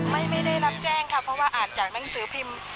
ไม่ได้รับแจ้งค่ะเพราะว่าอ่านจากหนังสือพิมพ์